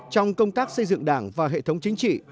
trong công tác xây dựng đảng và hệ thống chính trị